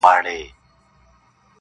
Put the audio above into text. جوړ يمه گودر يم ماځيگر تر ملا تړلى يم.